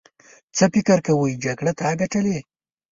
څه فکر کوې جګړه تا ګټلې.